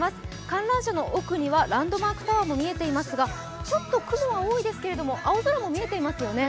観覧車の奥にはランドマークタワーも見えていますがちょっと雲が多いですけど青空も見えていますよね。